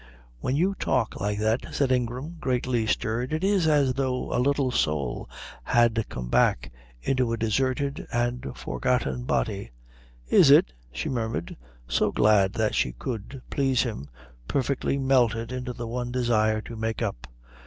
"When you talk like that," said Ingram, greatly stirred, "it is as though a little soul had come back into a deserted and forgotten body." "Is it?" she murmured, so glad that she could please him, perfectly melted into the one desire to make up.